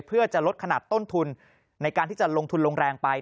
เพื่อจะลดขนาดต้นทุนในการที่จะลงทุนลงแรงไป